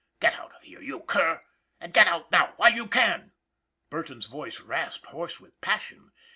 Get out of here, you cur! And get out now while you can!" Burton's voice rasped, hoarse with passion.